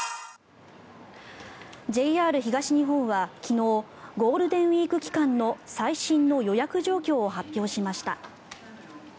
ＪＲ東日本は昨日ゴールデンウィーク期間の最新の予約状況を発表しました。